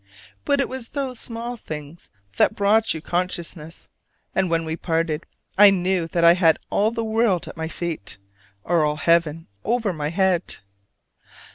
But it was those small things that brought you consciousness: and when we parted I knew that I had all the world at my feet or all heaven over my head!